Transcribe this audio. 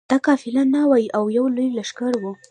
دا قافله نه وه او یو لوی لښکر وو.